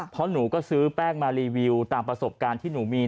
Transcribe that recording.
เพราะหนูก็ซื้อแป้งมารีวิวตามประสบการณ์ที่หนูมี